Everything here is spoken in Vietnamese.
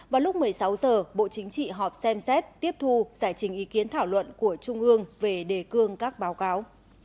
vào lúc một mươi sáu h bộ chính trị họp xem xét tiếp thu giải trình ý kiến thảo luận của trung ương về đề cương các báo cáo